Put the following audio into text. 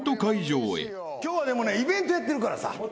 今日はイベントやってるからさ。